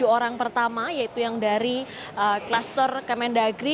tujuh orang pertama yaitu yang dari kluster kemendagri